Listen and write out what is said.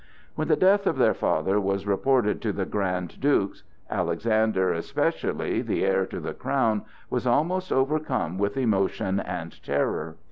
When the death of their father was reported to the Grand Dukes, Alexander especially, the heir to the crown, was almost overcome with emotion and terror.